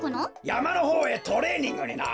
やまのほうへトレーニングにな。